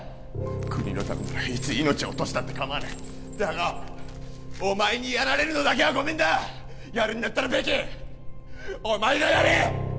国のためならいつ命を落としたってかまわないだがお前にやられるのだけはごめんだやるんだったらベキお前がやれ！